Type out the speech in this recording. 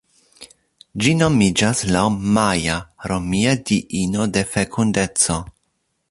Ĝi nomiĝas laŭ Maja, romia diino de fekundeco.